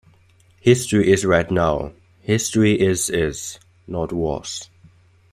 History is right now, history is is, not was.